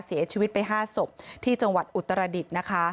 เสียชีวิตไป๕ศพที่จังหวัดอุตรดิษฐ์นะคะ